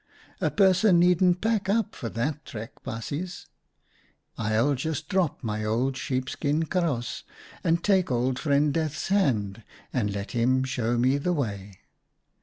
A person needn't pack up for that trek, baasjes. I'll just drop my old sheepskin kaross, and take Old Friend Death's hand and let him show me the way.